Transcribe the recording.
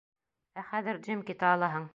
Ә хәҙер, Джим, китә алаһың.